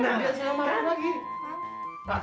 nah dia sekarang marah lagi